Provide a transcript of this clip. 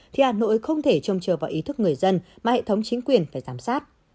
thì hà nội không thể trông chờ vào ý thức người dân mà hệ thống chính quyền phải giám sát